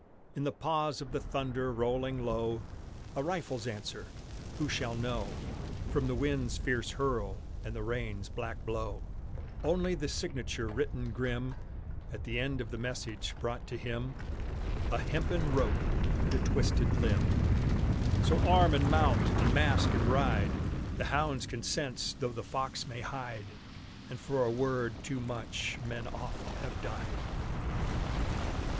In the pause of the thunder rolling low, A rifle's answer who shall know From the wind's fierce hurl and the rain's black blow? Only the signature written grim At the end of the message brought to him, A hempen rope and a twisted limb. So arm and mount! and mask and ride! The hounds can sense though the fox may hide! And for a word too much men oft have died.